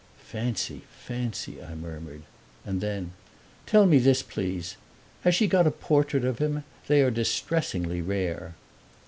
"Fancy, fancy!" I murmured. And then, "Tell me this, please has she got a portrait of him? They are distressingly rare."